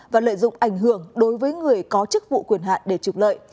và lợi dụng ảnh hưởng đối với người có chức vụ quyền hạn để trục lợi